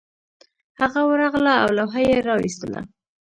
هغه ورغله او لوحه یې راویستله